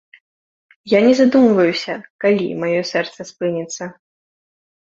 Я не задумваюся, калі маё сэрца спыніцца.